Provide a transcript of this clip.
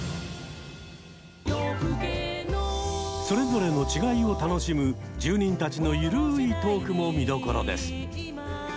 それぞれの違いを楽しむ住人たちの緩いトークも見どころです。